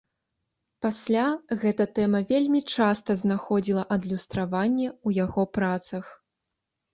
Пасля гэта тэма вельмі часта знаходзіла адлюстраванне ў яго працах.